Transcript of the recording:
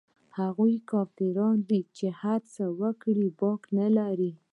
هغوى خو کافران دي چې هرڅه وکړي باک نه لري.